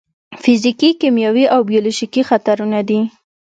فزیکي، کیمیاوي او بیولوژیکي خطرونه دي.